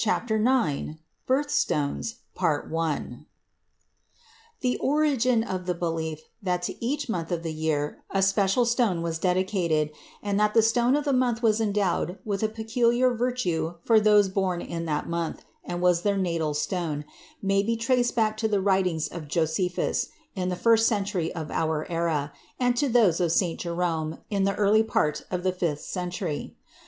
IX Birth Stones The origin of the belief that to each month of the year a special stone was dedicated, and that the stone of the month was endowed with a peculiar virtue for those born in that month and was their natal stone, may be traced back to the writings of Josephus, in the first century of our era, and to those of St. Jerome, in the early part of the fifth century.